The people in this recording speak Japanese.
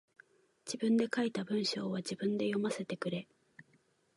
自分で書いた文章は自分で読ませてくれ。